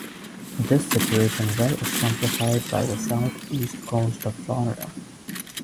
This situation well exemplified by the southeast coast of Florida.